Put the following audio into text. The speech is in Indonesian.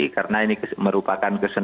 karena ini merupakan keseluruhan